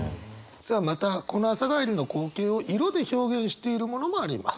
さあまたこの朝帰りの光景を色で表現しているものもあります。